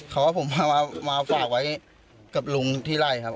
ว่าผมมาฝากไว้กับลุงที่ไล่ครับ